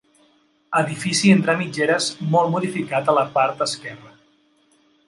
Edifici entre mitgeres molt modificat a la part esquerra.